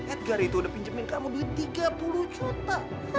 edgar itu udah pinjemin kamu duit tiga puluh juta